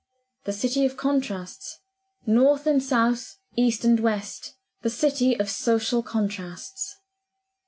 The city of contrasts: north and south, east and west, the city of social contrasts.